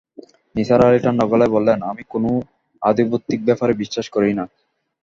নিসার আলি ঠাণ্ডা গলায় বললেন, আমি কোনো আধিভৌতিক ব্যাপারে বিশ্বাস করি না।